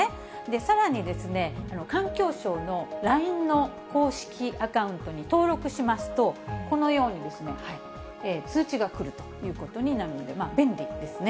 さらに、環境省のＬＩＮＥの公式アカウントに登録しますと、このように通知が来るということになるので、便利なんですね。